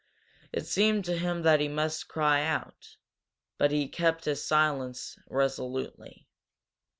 It seemed to him that he must cry out, but he kept silence resolutely.